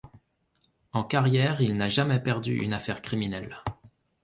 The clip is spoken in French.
En carrière, il n'a jamais perdu une affaire criminelle.